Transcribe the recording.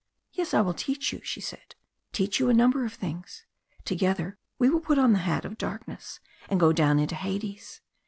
"Yes, I will teach you!" she said. "Teach you a number of things. Together we will put on the hat of darkness and go down into Hades.